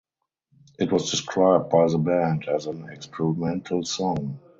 It was described by the band as an experimental song.